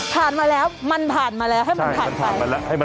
ผ่านมาแล้วมันผ่านมาแล้วให้มันผ่านไป